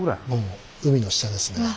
もう海の下ですね。